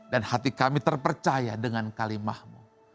dan hati kami terpercaya dengan kalimahmu